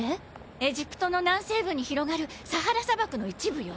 エジプトの南西部に広がるサハラ砂漠の一部よ。